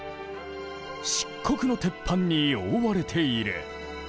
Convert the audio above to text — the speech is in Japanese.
漆黒の鉄板に覆われている。